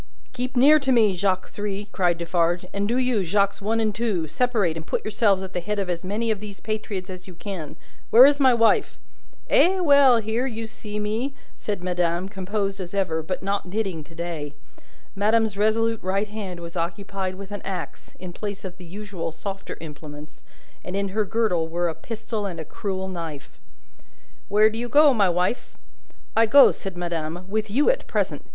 "Keep near to me, Jacques Three," cried Defarge; "and do you, Jacques One and Two, separate and put yourselves at the head of as many of these patriots as you can. Where is my wife?" "Eh, well! Here you see me!" said madame, composed as ever, but not knitting to day. Madame's resolute right hand was occupied with an axe, in place of the usual softer implements, and in her girdle were a pistol and a cruel knife. "Where do you go, my wife?" "I go," said madame, "with you at present.